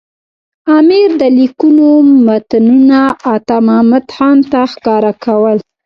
امیر د لیکونو متنونه عطامحمد خان ته ښکاره کول.